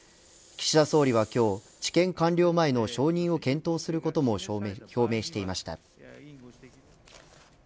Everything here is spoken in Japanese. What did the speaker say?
岸田総理は今日治験完了前の承認を検討することも表明していました。